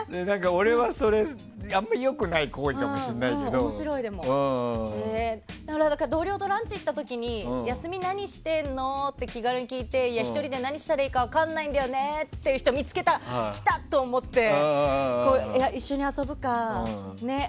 俺は、それはあんまりよくない行為かもしれないけど同僚とランチに行った時に休み何してるの？って気軽に聞いて、１人で何したらいいか分かんないんだよねって見つけたら、来たと思って一緒に遊ぶかって。